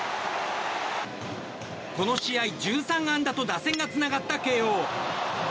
この試合１３安打と打線がつながった慶応。